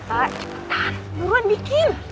tahan buruan bikin